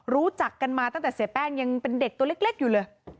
รู้จักกันมาตั้งแต่เสียแป้งยังเป็นเด็กตัวเล็กอยู่เลย